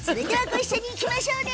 一緒に行きましょうね。